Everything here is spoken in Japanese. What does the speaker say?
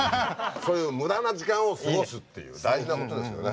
そういう無駄な時間を過ごすっていう大事なことですよね。